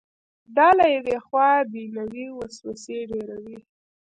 دا له یوې خوا دنیوي وسوسې ډېروي.